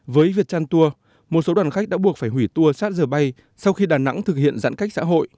với việt tran tour một số đoàn khách đã buộc phải hủy tour sát giờ bay sau khi đà nẵng thực hiện giãn cách xã hội